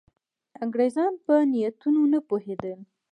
انګرېزان په نیتونو نه پوهېدل.